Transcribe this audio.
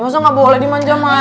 masa gak boleh dimanja manja